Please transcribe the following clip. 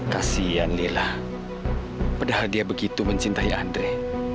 kasian lila padahal dia begitu mencintai andre